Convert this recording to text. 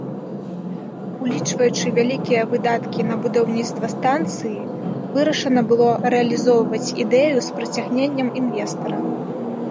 Улічваючы вялікія выдаткі на будаўніцтва станцыі, вырашана было рэалізоўваць ідэю з прыцягненнем інвестара.